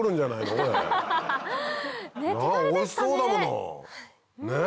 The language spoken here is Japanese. おいしそうだもの！ねぇ！